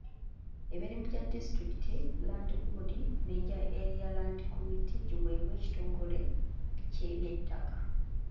Emirimu gya District Land Boards n'egya Area Land Committees giweebwe ekitongole ky’eby'ettaka.